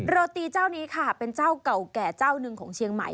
โรตีเจ้านี้ค่ะเป็นเจ้าเก่าแก่เจ้าหนึ่งของเชียงใหม่